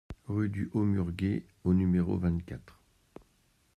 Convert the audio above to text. Rue du Haut Murger au numéro vingt-quatre